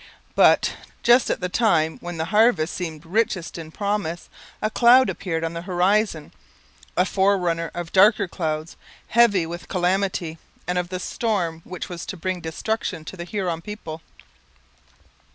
But, just at the time when the harvest seemed richest in promise, a cloud appeared on the horizon a forerunner of darker clouds, heavy with calamity, and of the storm which was to bring destruction to the Huron people.